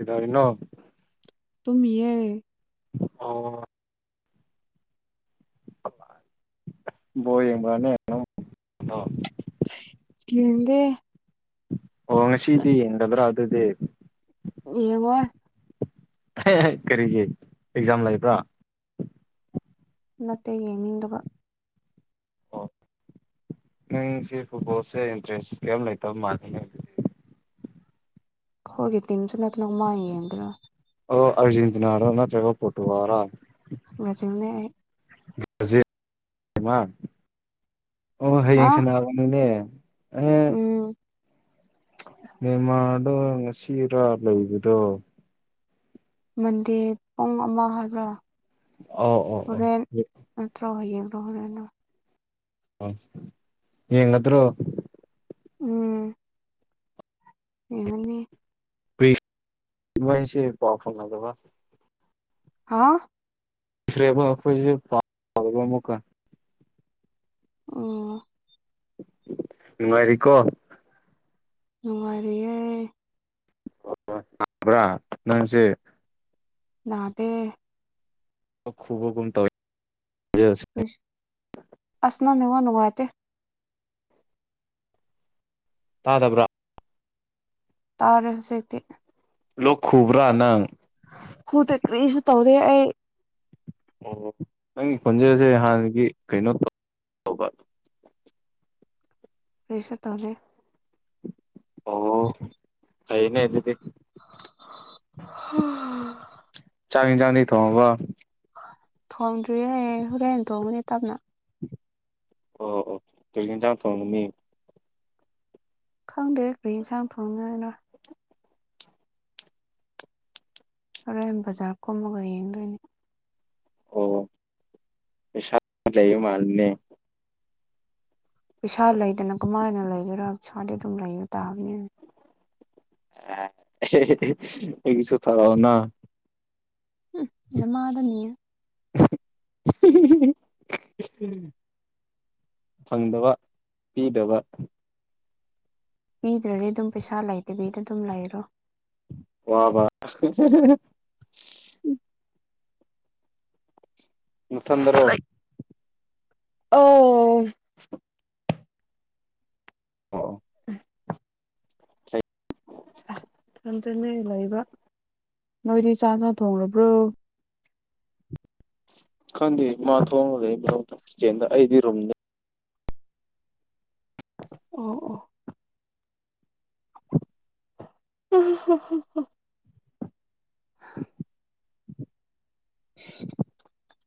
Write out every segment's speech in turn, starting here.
ꯏꯗꯔ ꯏꯅꯣ ꯇꯨꯃꯤ ꯌꯦ ꯑꯣ ꯅ ꯍꯦꯡꯗ ꯑꯣ ꯉꯁꯤꯩꯗꯤ ꯏꯗ꯭ꯔ ꯑꯗꯗꯦ ꯌꯦꯡꯉꯣꯏ ꯀꯔꯤꯒꯤ ꯑꯦꯛꯖꯥꯝ ꯂꯩꯕ꯭ꯔꯥ ꯅꯠꯇꯦ ꯌꯦꯡꯅꯤꯡꯗꯕ ꯅꯪ ꯁꯤ ꯐꯨꯠꯕꯣꯜꯁꯦ ꯏꯟꯇꯔꯦꯁ ꯀꯩꯝ ꯂꯩꯇꯕ ꯃꯥꯜꯂꯤꯅꯦ ꯑꯗꯨꯗꯤ ꯑꯩꯈꯣꯏꯒꯤ ꯇꯤꯝꯁꯨ ꯅꯠꯇꯅ ꯃꯥꯡꯉꯡꯗꯅ ꯑꯣ ꯑꯔꯖꯦꯟꯇꯅꯥꯔꯣ ꯇ꯭ꯔꯒ ꯄꯠ ꯋꯥꯔꯥ ꯕ꯭ꯔꯖꯤꯜꯅꯦ ꯑꯩ ꯑꯣ ꯍꯥ ꯍꯌꯦꯡꯁ ꯅꯕꯅꯤꯅꯦ ꯎꯝ ꯃꯃꯥꯗꯣ ꯉꯁꯤꯔ ꯂꯩꯕꯗꯣ ꯃꯟꯗꯦ ꯄꯨꯡ ꯑꯃ ꯍꯥꯏꯕ꯭ꯔꯥ ꯑꯣ ꯑꯣ ꯑꯣ ꯍꯣꯔꯦꯟ ꯅꯠꯇ꯭ꯔꯣ ꯍꯌꯦꯡ꯭ꯔꯣ ꯍꯣꯔꯦꯟꯅꯣ ꯑꯣ ꯌꯦꯉꯗ꯭ꯔꯣ ꯎꯝ ꯌꯦꯉꯟꯅ ꯁꯦ ꯄꯥꯎ ꯐꯗꯕ ꯍꯥꯥ ꯦꯣꯏ ꯃꯨꯛ ꯑꯣ ꯅꯨꯡꯉꯥꯏꯔꯤꯀꯣ ꯃꯔꯑꯦ ꯈꯕ꯭ꯔꯥ ꯅꯪꯁꯦ ꯅꯥꯗꯦ ꯈꯨꯕꯒꯨꯝ ꯇꯧꯖ ꯑꯁꯤ ꯑꯁꯅꯅ ꯋꯥꯇꯦ ꯇꯥꯗꯕ꯭ꯔꯥ ꯇꯥꯔ ꯁꯦꯇ ꯂꯣꯈꯕ꯭ꯔꯥ ꯅꯪ ꯍꯨ ꯇ ꯀꯁꯨ ꯇꯧꯗꯦ ꯑꯩ ꯑꯣ ꯅꯪꯒꯤ ꯈꯣꯟꯖꯦꯜꯁꯦ ꯍꯥꯟꯅꯒꯤ ꯀꯩꯅꯣ ꯇꯧ ꯇꯧꯕ ꯄꯦꯁ ꯇ ꯑꯣ ꯇꯅꯦꯗꯗꯤ ꯎꯝ ꯆꯥ ꯆꯥꯡꯅꯤ ꯊ ꯋꯥ ꯊꯣꯡꯗ꯭ꯔꯤ ꯍꯣꯔꯅ ꯊꯣꯡꯕꯅꯦ ꯇꯕꯅ ꯑꯣ ꯑꯣ ꯇꯅ ꯆ ꯇ ꯃꯤ ꯈꯪꯗꯦ ꯀꯔꯤ ꯌꯦꯟꯁꯥꯡ ꯐꯣꯡꯅꯅꯣ ꯍꯣꯔꯦꯟ ꯕꯖꯥꯔ ꯀꯣꯝꯃꯒ ꯌꯦꯡꯗꯣꯏꯅꯦ ꯑꯣ ꯄꯁ ꯂꯩ ꯃꯥꯜꯅꯦ ꯄꯩꯁꯥ ꯂꯩꯗꯅ ꯀꯃꯥꯏꯅ ꯂꯩꯒꯣꯏꯔꯥ ꯄꯩꯁꯥꯗꯤ ꯑꯗꯨꯝ ꯂꯩꯕ ꯇꯥꯕꯅꯤꯅ ꯑꯩꯒꯤꯁꯨꯁꯨ ꯊꯔꯑꯣꯅ ꯎ ꯏ ꯃꯥꯗꯅꯤ ꯎ ꯎ ꯐꯪꯗꯕ ꯄꯤꯗꯕ ꯄꯤꯗ꯭ꯔꯗꯤ ꯑꯗꯨꯝ ꯄꯩꯁꯥ ꯂꯩꯇꯕꯤꯗ ꯑꯗꯨꯝ ꯂꯩꯔꯣ ꯋꯥ ꯋꯥ ꯎꯝ ꯂ ꯆꯟꯗ꯭ꯔꯣ ꯑꯣ ꯑꯣ ꯊꯟꯖꯟꯅ ꯂꯩꯕ ꯅꯣꯏꯗꯤ ꯆꯥ ꯆ ꯊꯣꯕ꯭ꯔꯣ ꯈꯪꯗꯤ ꯃꯥ ꯊꯣꯡꯉꯒ ꯀꯤꯆꯦꯟꯗ ꯑꯩꯗꯤ ꯔꯨꯝꯗ ꯑꯣ ꯑ ꯎꯝ ꯎ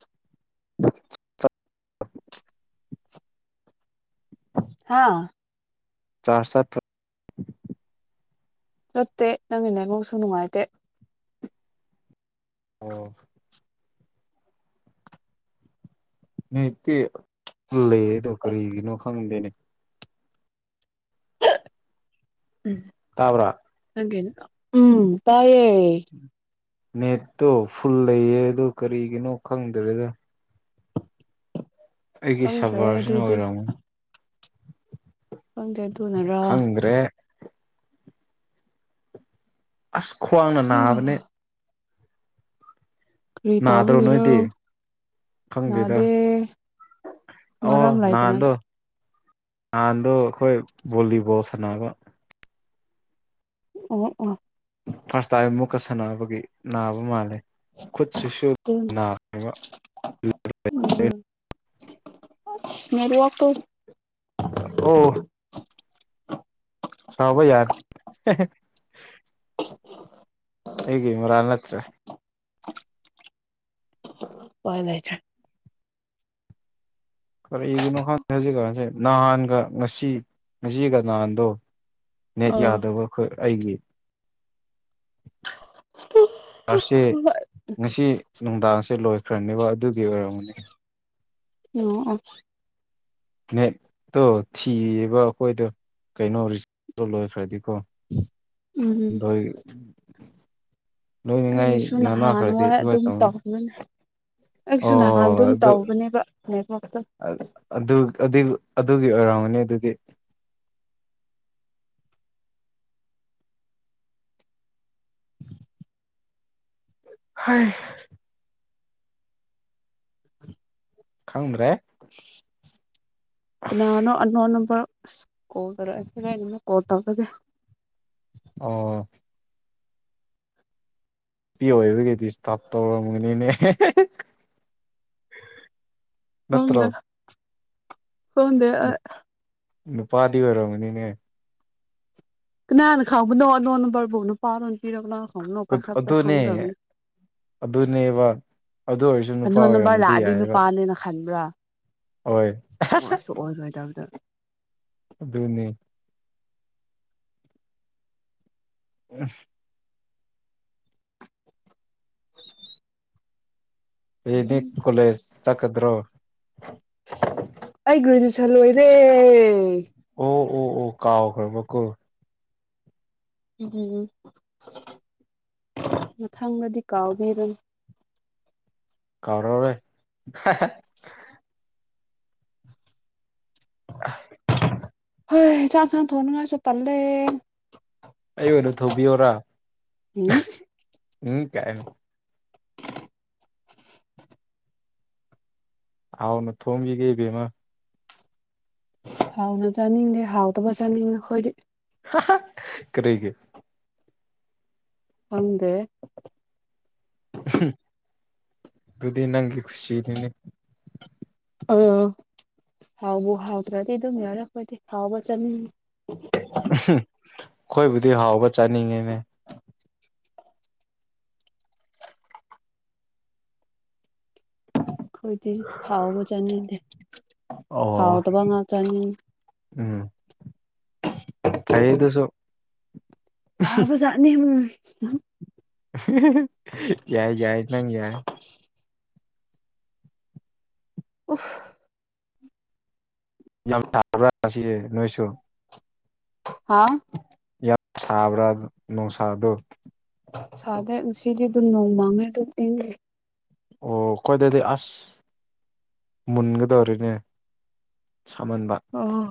[unintelligible] ꯑꯥ ꯆꯔ ꯆꯠ ꯆꯠꯇꯦ ꯅꯪꯒꯤ ꯅꯃꯃꯛꯁꯨ ꯅꯨꯡꯉꯥꯏꯇꯦ ꯑꯣ ꯅꯠꯇꯦ ꯂꯩꯗꯣ ꯀꯔꯤꯒꯤꯅꯣ ꯈꯪꯗꯦꯅꯦ ꯎꯝ ꯇꯥꯕ꯭ꯔꯥ ꯎꯝ ꯇꯌꯦ ꯅꯦꯠꯇꯣ ꯐꯨꯜ ꯂꯩꯌꯦ ꯑ ꯀꯔꯤꯒꯤꯅꯣ ꯈꯪꯗ꯭ꯔꯦꯗ ꯑꯩꯒꯤ ꯈꯪꯗ꯭ꯔꯦ ꯁꯄꯔꯁꯤꯅ ꯑꯗꯨꯗꯤ ꯑꯣꯏꯔꯝꯃꯣ ꯈꯪꯇꯌꯥ ꯇꯨꯅꯔ ꯈꯪꯗ꯭ꯔꯦ ꯑꯁ ꯈ꯭ꯋꯥꯡꯅ ꯅꯥꯕꯅꯦ ꯀꯔꯤ ꯅꯥꯗ꯭ꯔꯣ ꯇꯧꯕꯒꯤꯔꯣ ꯅꯣꯏꯗꯤ ꯈꯪꯗꯦꯗ ꯅꯥꯗꯦ ꯑꯣ ꯃꯔꯝ ꯂꯩꯇꯅ ꯅꯥꯟꯗꯣ ꯅꯍꯥꯟꯗꯣ ꯑꯩꯈꯣꯏ ꯚꯣꯂꯤꯕꯣꯜ ꯁꯥꯟꯅꯅꯕ ꯑꯣ ꯑꯣ ꯐꯥꯔꯁ ꯇꯥꯏ ꯑꯃꯨꯛꯀ ꯁꯥꯟꯅꯕꯒꯤ ꯅꯥꯕ ꯃꯥꯜꯂꯦ ꯈꯨꯠꯁꯤꯁꯨ ꯎꯝ ꯅꯥꯕ [unintelligible] ꯃꯔ ꯋꯥ ꯑꯣ [unintelligible] [unintelligible] ꯍꯒꯤ ꯏ ꯃ꯭ꯔꯥꯅꯠꯇ꯭ꯔꯦ ꯑꯣꯏ ꯂꯦ ꯆ ꯀꯔꯤꯒꯤꯅꯣ ꯈꯪꯗꯦ ꯍꯧꯖꯤꯛ ꯀꯁꯦ ꯅꯍꯥꯟꯒ ꯉꯁꯤ ꯉꯁꯤꯒ ꯅꯍꯥꯟꯗꯣ ꯅꯦꯠ ꯍꯣꯏ ꯌꯥꯗꯕ ꯑꯩꯈꯣꯏ ꯑꯩꯒꯤ ꯑꯔꯁ ꯍꯣꯏ ꯉꯁꯤ ꯅꯨꯡꯗꯥꯡꯁꯦ ꯂꯣꯏꯈ꯭ꯔꯅꯦꯕ ꯑꯗꯨꯒꯤ ꯑꯣꯏꯔꯝꯃꯅꯤ ꯎꯝ ꯎ ꯅꯦꯠꯇꯣ ꯊꯤꯕ ꯑꯩꯈꯣꯏꯗ ꯀꯩꯅꯣ ꯔꯤꯆꯥ ꯇꯧ ꯂꯣꯏ ꯐ꯭ꯔꯗꯤꯀꯣ ꯎꯝ ꯂꯣꯏ ꯂꯣꯏꯅꯤꯡꯉꯥꯏ ꯑꯩꯁꯨ ꯅꯅꯥꯈ꯭ꯔꯗꯤ ꯅꯍꯥꯟꯋꯥꯏ ꯑꯗꯨꯃꯥꯏꯅ ꯑꯗꯨꯝ ꯇꯧꯅꯤ ꯇꯧꯅꯅꯤ ꯑꯣ ꯑꯗꯨ ꯅꯦꯠꯋꯥꯛꯇꯣ ꯑꯗꯨ ꯑꯗꯨ ꯑꯗꯨ ꯑꯗꯨꯒꯤ ꯑꯣꯏꯔꯝꯒꯅꯤ ꯑꯗꯨꯗꯤ ꯍ ꯈꯪꯗꯔꯦ ꯀꯅꯥꯅꯣ ꯑꯅꯣꯟ ꯅꯝꯕꯔ ꯑ ꯀꯣꯜ ꯇꯧꯔꯛꯑꯦꯁꯤꯦꯔ ꯀꯣꯜ ꯇꯧꯖꯒꯦ ꯑꯣ ꯅꯨꯄꯤ ꯑꯣꯏꯕꯒꯤꯖꯤ ꯏꯁꯇꯥꯞ ꯇꯧꯔꯝꯒꯅꯤꯅꯦ ꯎ ꯅꯠꯇ꯭ꯔꯣ ꯈꯪꯗꯦ ꯅꯨꯄꯥꯗꯤ ꯑꯣꯏꯔꯝꯒꯅꯤꯅꯦ ꯀꯅꯥꯅ ꯈꯪꯕꯅꯣ ꯅꯟꯖꯣꯟ ꯅꯝꯕꯔ ꯕꯨ ꯅꯨꯄꯥ ꯔ ꯅꯨꯄꯤ ꯔ ꯀꯅꯥ ꯑꯗꯨꯅꯦ ꯈꯪꯕꯅꯣ ꯑꯗꯨꯅꯦꯕ ꯑꯗꯨ ꯑꯣꯏꯔꯁꯨ ꯅꯨꯄꯥ ꯑꯟꯅꯣꯠ ꯅꯝꯕꯔ ꯑꯣꯏꯔꯝꯕꯗꯤ ꯂꯥꯛꯑꯗꯤ ꯌꯥꯏꯑꯕ ꯅꯨꯄꯥꯅꯦꯅꯥ ꯈꯟꯕꯔꯥ ꯍꯣꯏ ꯑꯣꯢꯁꯨ ꯑꯣꯏꯔꯣꯢꯗꯕꯗ ꯑꯗꯨꯅꯦ ꯎꯝ [inaudible] ꯎꯝ ꯍꯌꯦꯡꯗꯤꯀꯣꯂꯦꯁ ꯆꯠꯀꯗ꯭ꯔꯣ [unintelligible] ꯑꯣ ꯑꯣ ꯑꯣ ꯀꯥꯎꯈ꯭ꯔꯕ ꯀꯣ ꯎꯝ ꯃꯊꯪꯗꯗꯤ ꯀꯥꯎꯕꯤꯔꯅꯨ ꯀꯥꯎꯔꯔꯣꯏ [inaudible] [inaudible] [unintelligible] ꯑꯩ ꯑꯣꯏꯅ ꯊꯧꯕꯤꯌꯣꯔ ꯎꯝ ꯎꯝ ꯀꯥꯏ ꯑꯥꯎꯅ ꯊꯣꯝꯕꯤꯒꯦ ꯢꯕꯦꯝꯃꯥ ꯍꯥꯎꯅ ꯆꯥꯅꯤꯡꯗꯦ ꯍꯥꯎꯗꯕ ꯆꯥꯅꯤꯡꯉꯦ ꯑꯩꯈꯣꯏꯗꯤ ꯀꯔꯤꯒꯤ ꯈꯪꯗꯦ ꯑꯗꯨꯗꯤ ꯅꯪꯂꯤ ꯈꯨꯁꯤꯅꯤꯅꯦ ꯑꯥ ꯍꯥꯎꯕꯨ ꯍꯥꯎꯗ꯭ꯔꯗꯤ ꯑꯗꯨꯝ ꯌꯥꯔ ꯑꯩꯈꯣꯏꯗꯤ ꯍꯥꯎꯕ ꯆꯅꯤꯡꯉꯤ ꯑꯩꯈꯣꯏꯕꯨꯗꯤ ꯍꯥꯎꯕ ꯆꯥꯅꯤꯡꯉꯤꯅꯦ ꯑꯩꯏꯗꯤ ꯍꯥꯎꯕ ꯆꯅꯤꯡꯗꯦ ꯑꯣ ꯍꯥꯎꯗꯕꯥ ꯉꯥꯛ ꯆꯥꯅꯤꯡ ꯈꯩꯗꯨꯁꯨ ꯐꯥꯕꯖꯥꯠꯅꯤ ꯌꯥꯏ ꯌꯥꯏ ꯅꯪ ꯌꯥꯏ ꯎꯝ ꯌꯥꯝ ꯁꯥꯕ꯭ꯔ ꯉꯁꯤꯗꯤ ꯅꯣꯏꯁꯨ ꯍꯥꯥ ꯌꯥꯝ ꯁꯥꯕ꯭ꯔꯥ ꯅꯨꯡꯁꯥꯗꯣ ꯁꯥꯗꯦ ꯅꯨꯡꯁꯤꯗꯤ ꯑꯗꯨꯝ ꯅꯣꯡꯉꯥꯟꯕꯗꯩꯑꯗꯨꯝ ꯏꯡꯢ ꯑꯣ ꯑꯩꯈꯣꯢꯗꯗꯤ ꯑꯁ ꯑꯁ ꯃꯨꯟꯒꯗꯧꯔꯦꯅꯦ ꯁꯥꯃꯟꯕ ꯑꯣ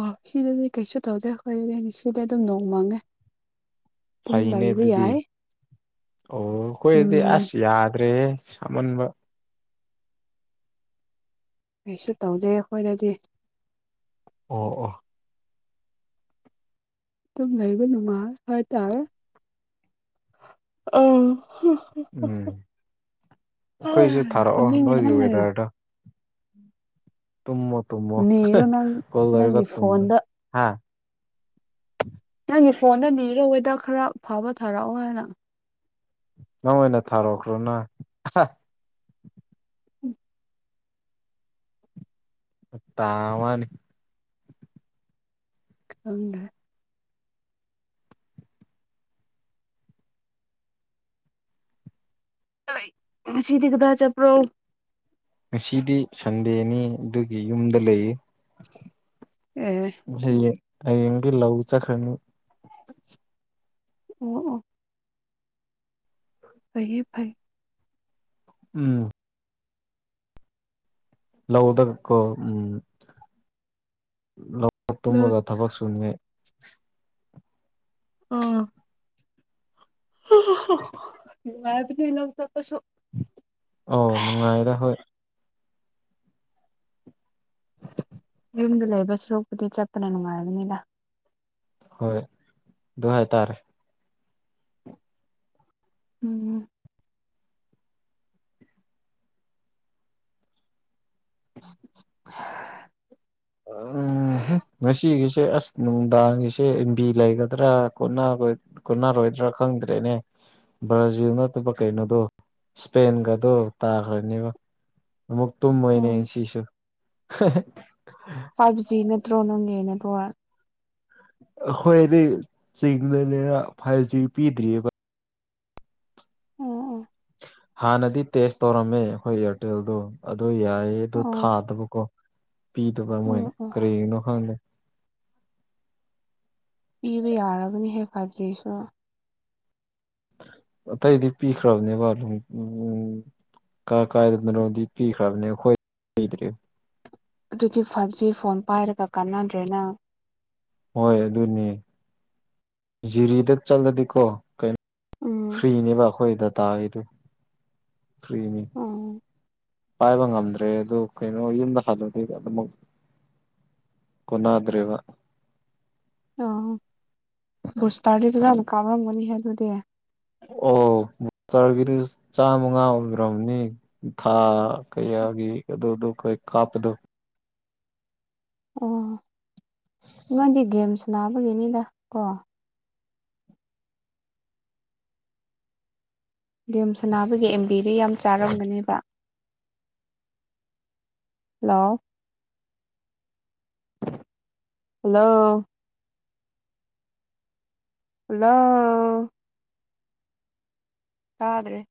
ꯑꯣ ꯁꯤꯗꯗꯤ ꯀꯩꯁꯨ ꯇꯧꯗꯦ ꯑꯩꯈꯣꯏ ꯁꯤꯗꯤ ꯑꯗꯨꯝ ꯅꯣꯡ ꯃꯥꯡꯉꯦ ꯑꯗꯨꯝ ꯐꯩꯅꯦ ꯂꯩꯕ ꯑꯗꯨꯗꯤ ꯌꯥꯏ ꯑꯣ ꯑꯩꯈꯣꯏꯗꯤ ꯎꯝ ꯑꯁ ꯌꯥꯗ꯭ꯔꯦ ꯁꯥꯃꯟꯕ ꯀꯩꯁꯨ ꯇꯧꯗꯦ ꯑꯩꯈꯣꯏꯅꯗꯤ ꯑꯣ ꯑꯣ ꯑꯗꯨꯝ ꯂꯩꯕ ꯅꯨꯅꯨꯡꯃꯥꯏ ꯍꯥꯏꯇꯥꯔꯦ ꯎꯝ ꯑ ꯑꯩꯈꯣꯏꯁꯨ ꯊꯥꯔꯛꯑꯣ ꯅꯣꯏꯒꯤ ꯇꯨꯝꯅꯤꯡꯉꯦꯍꯦ ꯋꯦꯗꯔꯗꯣ ꯇꯨꯝꯃꯣ ꯇꯨꯝꯃꯣ ꯅꯤꯔꯣ ꯅꯪ ꯀꯣꯜ ꯂꯣꯏꯔꯒ ꯅꯪꯒꯤ ꯇꯨꯝꯃꯣ ꯐꯣꯟꯗ ꯅꯪꯒꯤ ꯐꯣꯟꯗ ꯅꯤꯔ ꯍꯦꯗ ꯈꯔ ꯐꯥꯕ ꯊꯥꯔꯛꯑꯣ ꯍꯥꯏꯅ ꯅꯪ ꯑꯣꯏꯅ ꯊꯥꯔꯛꯈ꯭ꯔꯣꯅ ꯇꯥꯃꯅꯤ ꯈꯪꯗꯦ ꯉꯁꯤꯗꯤ ꯀꯗꯥꯏ ꯆꯠꯄ꯭ꯔꯣ ꯉꯁꯤꯗꯤ ꯁꯟꯗꯦꯅꯤ ꯑꯗꯨꯒꯤ ꯌꯨꯝꯗ ꯂꯩꯌꯦ ꯑꯦ ꯍꯌꯦꯡ ꯍꯌꯦꯡꯒꯤ ꯂꯧ ꯆꯈ꯭ꯔꯅꯤ ꯑꯣ ꯑꯣ ꯁꯌꯦ ꯐꯥꯏ ꯎꯝ ꯂꯧꯎꯗ ꯀꯣ ꯎꯝ ꯂꯧ ꯇꯨꯝꯃꯒ ꯊꯕꯛ ꯁꯨꯅꯤꯉꯥꯏ ꯑꯥ [unintelligible] ꯅꯨꯉꯥꯏꯕꯅꯦ ꯂꯧ ꯆꯠꯄꯁꯨ ꯑꯧ ꯅꯨꯡꯉꯥꯏꯔ ꯍꯣꯏ ꯌꯨꯝꯗ ꯂꯩꯕ ꯁꯔꯣꯛꯄꯨꯗꯤ ꯆꯠꯄꯅ ꯅꯨꯡꯉꯥꯏꯕꯅꯤꯗ ꯍꯣꯏ ꯑꯗꯨ ꯍꯥꯏꯇꯥꯔꯦ ꯎꯝ ꯎꯝ ꯍꯝ ꯉꯁꯤꯒꯤꯁꯤ ꯁꯦ ꯑꯁ ꯅꯨꯡꯗꯥꯡꯒꯤꯁꯦ ꯑꯝꯕꯤ ꯂꯩꯒꯗ꯭ꯔꯥ ꯀꯣꯅ ꯀꯣꯅꯔꯣꯏꯗ꯭ꯔꯥ ꯈꯪꯗ꯭ꯔꯦꯅꯦ ꯕ꯭ꯔꯥꯖꯤꯜ ꯅꯠꯇꯕ ꯀꯩꯅꯣꯗꯣ ꯏꯁꯄꯦꯟꯒꯗꯣ ꯇꯥꯈ꯭ꯔꯅꯦꯕ ꯑꯃꯨꯛ ꯇꯨꯝꯃꯣꯏꯅꯦ ꯑꯣ ꯉꯁꯤꯁꯨ ꯍ ꯍ ꯐꯥꯏꯚ ꯖꯤ ꯅꯠꯇ꯭ꯔꯣ ꯅꯪꯡꯒꯤ ꯅꯦꯠꯋꯥꯔ꯭ꯛ ꯑꯩꯈꯣꯏꯗꯤ ꯆꯤꯡꯗꯅꯤꯅ ꯐꯥꯏꯚ ꯖꯤ ꯄꯤꯗ꯭ꯔꯤꯑꯦꯕ ꯎꯝ ꯎꯝ ꯍꯥꯟꯅꯗꯤ ꯇꯦꯁ ꯇꯧꯔꯝꯃꯦ ꯑꯩꯈꯣꯏ ꯏꯌꯥꯔꯇꯦꯜꯗꯣ ꯑꯗꯨ ꯌꯥꯏꯌꯦ ꯑꯗꯨ ꯑꯣ ꯊꯥꯗꯕꯀꯣ ꯄꯤꯗꯕ ꯑꯣ ꯃꯣꯏꯅ ꯑꯣ ꯀꯔꯤꯒꯤꯅꯣ ꯈꯪꯗꯦ ꯄꯤꯕ ꯌꯥꯔꯕꯅꯤ ꯍꯦ ꯐꯥꯏꯚ ꯖꯤꯁꯣ ꯑꯇꯩꯗꯤ ꯄꯤꯈ꯭ꯔꯕꯅꯦꯕ ꯑꯗꯨꯝ ꯎ ꯀ ꯀꯥꯏꯗ ꯃꯔꯣꯝꯗꯤ ꯄꯤꯈ꯭ꯔꯕꯅꯦ ꯑꯩꯈꯣꯏ ꯄꯤꯗ꯭ꯔꯤ ꯑꯗꯨꯗꯤ ꯐꯥꯏꯚ ꯖꯤ ꯐꯣꯟ ꯄꯥꯏꯔꯒ ꯀꯥꯟꯅꯗ꯭ꯔꯦ ꯅꯪ ꯍꯣꯏ ꯑꯗꯨꯅꯤ ꯖꯤꯔꯤꯗ ꯆꯠꯂꯗꯤꯀꯣ ꯀꯩꯅꯣ ꯎꯝ ꯐ꯭ꯔꯤꯅꯦꯕ ꯑꯩꯈꯣꯏꯗ ꯇꯥꯔꯤꯗꯨ ꯊ꯭ꯔꯤꯃꯤ ꯎꯝ ꯄꯥꯏꯕ ꯉꯝꯗ꯭ꯔꯦ ꯑꯗꯨ ꯀꯩꯅꯣ ꯌꯨꯝꯗ ꯍꯜꯂꯗꯤ ꯑꯗꯨꯃꯛ ꯀꯣꯅꯥꯗ꯭ꯔꯦꯕ ꯑ ꯕꯨꯁꯇꯔꯗꯤ ꯗꯨꯗ ꯀꯥꯄ ꯃꯔꯃꯅꯤ ꯍꯦ ꯑꯗꯨꯗꯤ ꯑꯣ ꯆꯔꯕꯤꯗꯨ ꯆꯥꯃꯉꯥ ꯑꯣꯏꯗ꯭ꯔꯕꯅꯤ ꯊꯥ ꯀꯌꯥ ꯒꯤ ꯑꯗꯣꯗꯣ ꯀꯣꯏ ꯀꯥꯞꯄꯗꯣ ꯑꯣ ꯅꯣꯏꯗꯤ ꯒꯦꯝ ꯁꯥꯅꯕꯒꯤꯅꯤꯗ ꯀꯣ ꯒꯦꯝ ꯁꯅꯥꯕꯒꯤ ꯑꯦꯝꯕꯤꯗꯨ ꯌꯥꯝ ꯆꯥꯔꯝꯒꯅꯦꯕ ꯍꯂꯣ ꯍꯜꯂꯣ ꯍꯂꯣ ꯇꯥꯗ꯭ꯔꯦ